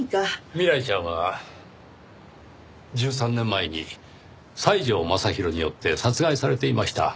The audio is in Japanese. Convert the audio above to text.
未来ちゃんは１３年前に西條雅弘によって殺害されていました。